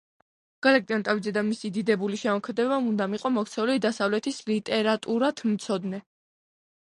გალაკტიონ ტაბიძე და მისი დიდებული შემოქმედება მუდამ იყო მოქცეული დასავლეთის ლიტერატურათმცოდნე